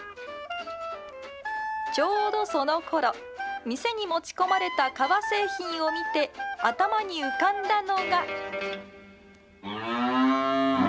ちょうどそのころ、店に持ち込まれた革製品を見て、頭に浮かんだのが。